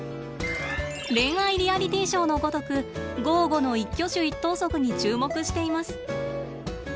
恋愛リアリティーショーのごとくゴーゴの一挙手一投足に注目しています。